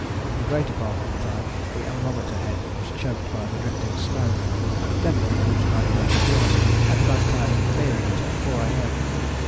The greater part of the time the anemometer head was choked by the drifting snow, and Debenham, whose night watch it was, had a bad time in clearing it at 4 A.M.